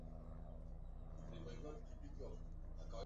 Kwa hiyo Commodus aliamua kuweka nyota juu ya kichwa cha mvulana